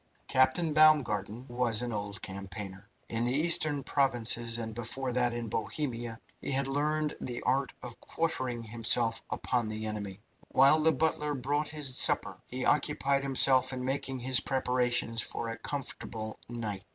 Captain Baumgarten was an old campaigner. In the Eastern provinces, and before that in Bohemia, he had learned the art of quartering himself upon the enemy. While the butler brought his supper he occupied himself in making his preparations for a comfortable night.